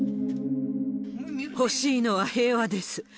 欲しいのは平和です。